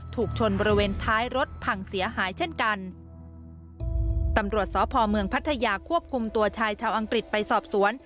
ถูกชนบริเวณท้ายรถพังเสียหายเช่นกันตำรวจสพเมืองพัทยาควบคุมตัวชายชาวอังกฤษไปสอบสวน